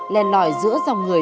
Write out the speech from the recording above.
lên lỏi giữa dòng người